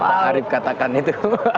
pak arief katakan itu